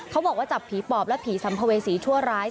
บอกว่าจับผีปอบและผีสัมภเวษีชั่วร้าย